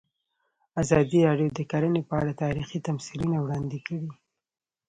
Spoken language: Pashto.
ازادي راډیو د کرهنه په اړه تاریخي تمثیلونه وړاندې کړي.